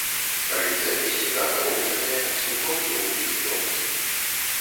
Рыльца песціка галоўчатае, слупок доўгі і тонкі.